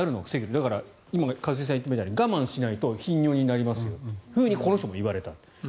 だから今、一茂さんが言ったように我慢しないと頻尿になりますよとこの人も言われた。